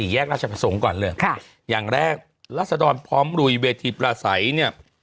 แยกราชประสงค์ก่อนเลยค่ะอย่างแรกราศดรพร้อมลุยเวทีปลาใสเนี่ย